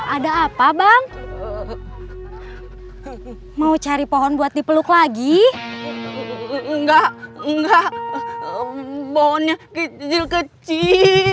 ada apa bang mau cari pohon buat dipeluk lagi enggak enggak pohonnya kecil kecil